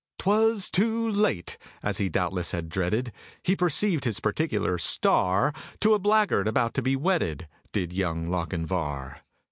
'Twas too late! (As he doubtless had dreaded.) He perceived his particular "star" To a blackguard about to be wedded, Did Young Lochinvar!